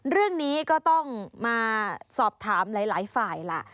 เรื่องนี้ก็ต้องมาสอบถามหลายฝ่ายล่ะ